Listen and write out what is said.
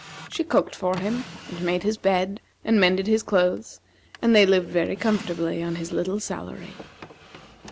She cooked for him, and made his bed, and mended his clothes; and they lived very comfortably on his little salary.